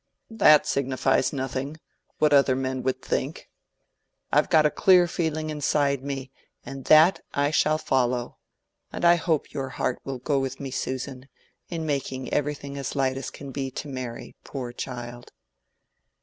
"That signifies nothing—what other men would think. I've got a clear feeling inside me, and that I shall follow; and I hope your heart will go with me, Susan, in making everything as light as can be to Mary, poor child."